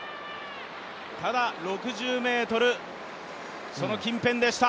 ただ６０ｍ、その近辺でした。